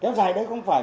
kéo dài đấy không phải là